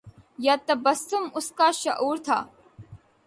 یا تبسم اُسکا شعور تھا